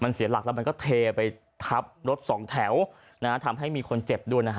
เสียหลักแล้วมันก็เทไปทับรถสองแถวนะฮะทำให้มีคนเจ็บด้วยนะฮะ